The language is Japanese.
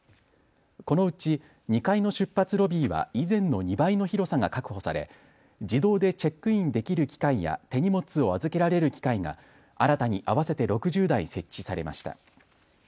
このうち２階の出発ロビーは以前の２倍の広さが確保され自動でチェックインできる機械や手荷物を預けられる機械が新たに合わせて６０台設置されました。